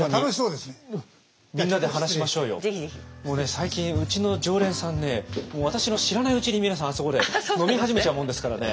最近うちの常連さんね私の知らないうちに皆さんあそこで飲み始めちゃうもんですからね。